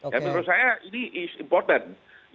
dan menurut saya ini penting